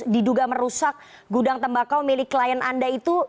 diduga merusak gudang tembakau milik klien anda itu